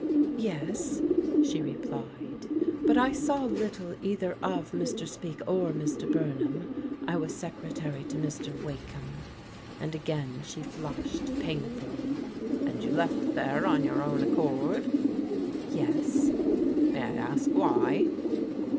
"Yes," she replied, "but I saw little either of Mr. Speke or Mr. Bumham. I was secretary to Mr. Wake ham," and again she flushed painfully. " And you left there on your own accord? "" Yes." "May I ask why?"